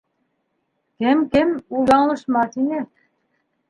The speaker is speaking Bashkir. Кем-кем, ул яңылышмаҫ ине.